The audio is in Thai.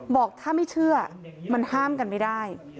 บอกถ้าไม่เชื่อมันห้ามกันไม่ได้